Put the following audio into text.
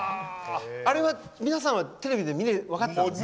あれは皆さんはテレビで分かってたんですか？